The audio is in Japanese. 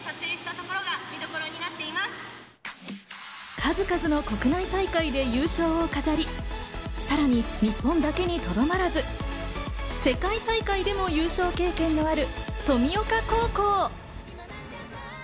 数々の国内大会で優勝を飾り、さらに日本だけにとどまらず、世界大会でも優勝経験のある登美丘高校。